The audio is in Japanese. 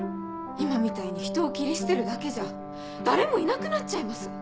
今みたいに人を切り捨てるだけじゃ誰もいなくなっちゃいます。